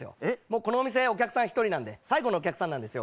このお店、お客さん１人なんで、最後のお客さん。